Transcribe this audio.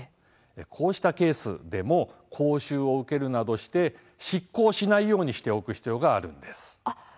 こうしたケースでも講習を受けるなどして失効しないようにしておく必要があるんです。